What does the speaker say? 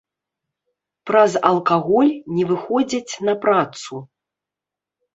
Праз алкаголь не выходзяць на працу.